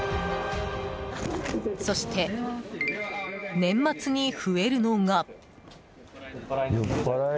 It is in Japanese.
そして、年末に増えるのが。